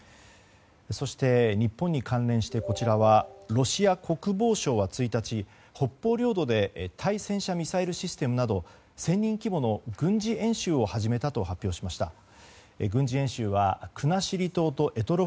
そして、日本に関連してこちらはロシア国防省は１日、北方領土で対戦車ミサイルシステムなど１０００人規模の軍事演習を始めたと発表しました。